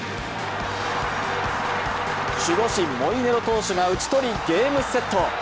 守護神・モイネロ投手が打ち取り、ゲームセット。